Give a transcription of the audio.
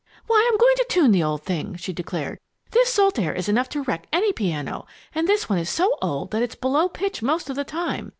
"Why, I'm going to tune the old thing!" she declared. "This salt air is enough to wreck any piano, and this one is so old that it's below pitch most of the time.